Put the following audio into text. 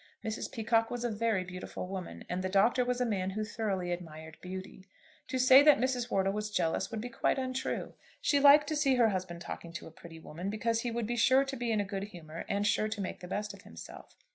Mrs. Peacocke was a very beautiful woman, and the Doctor was a man who thoroughly admired beauty. To say that Mrs. Wortle was jealous would be quite untrue. She liked to see her husband talking to a pretty woman, because he would be sure to be in a good humour and sure to make the best of himself.